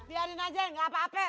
biarin aja gak apa apa